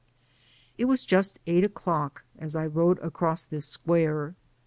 It was just eight o'clock as I rode across this square.